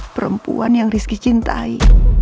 perempuan yang rizky cintai